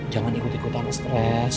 jangan ikut ikutan stres